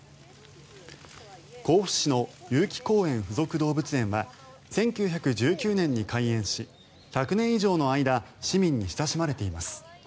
甲府市の遊亀公園附属動物園は１９１９年に開園し１００年以上の間市民に親しまれています。